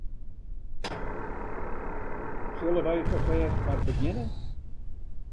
Sille wy ferfêst mar begjinne?